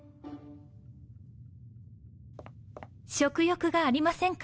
食欲がありませんか？